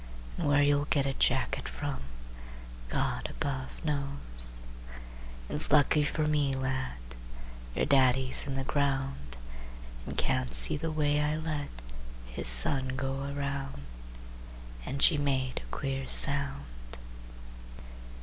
And where you'll get a jacket from God above knows. "It's lucky for me, lad, Your daddy's in the ground, And can't see the way I let His son go around!" And she made a queer sound.